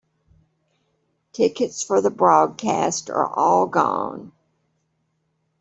Tickets for the broadcast are all gone.